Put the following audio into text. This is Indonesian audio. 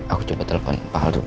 aku coba telepon pak haltu dulu deh